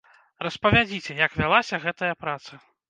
Распавядзіце, як вялася гэтая праца.